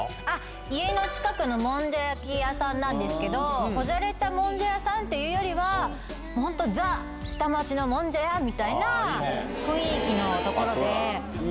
家の近くのもんじゃ焼き屋なんですけど小じゃれたもんじゃ屋さんっていうよりはザ下町のもんじゃ屋！みたいな雰囲気の所で。